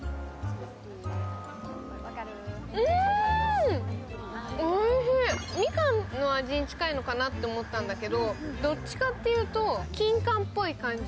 うん、おいしい、みかんの味に近いのかなと思ったんだけど、どっちかって言うと、キンカンぽい感じ。